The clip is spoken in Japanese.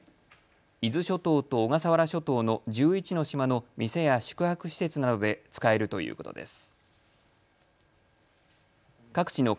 伊豆諸島と小笠原諸島の１１の島の店や宿泊施設などで使えるということです。